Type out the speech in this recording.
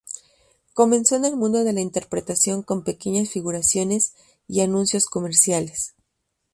Comenzó en el mundo de la interpretación con pequeñas figuraciones y anuncios comerciales.